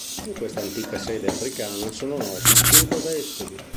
Di questa antica sede africana sono noti cinque vescovi.